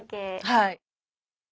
はい。